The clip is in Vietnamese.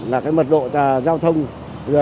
là mật độ giao thông